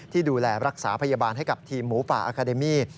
ที่ดูแลรักษาพยาบาลให้กับทีมหมูป่าอาคาเดมี่